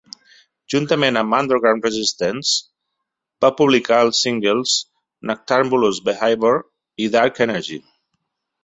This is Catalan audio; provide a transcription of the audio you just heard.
Juntament amb Underground Resistance, va publicar els singles "Nocturbulous Behavior" i "Dark Energy".